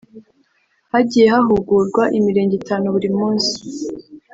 Hagiye hahugurwa imirenge itanu buri munsi